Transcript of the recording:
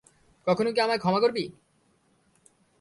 কখনো কি আমায় ক্ষমা করবি?